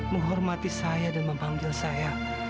menghormati saya dan memanggil saya